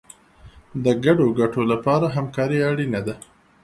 د ګډو ګټو لپاره همکاري اړینه ده.